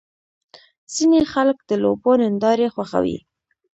ځینې خلک د لوبو نندارې خوښوي.